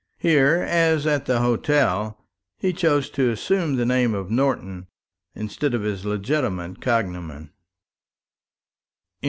Here, as at the hotel, he chose to assume the name of Norton instead of his legitimate cognomen.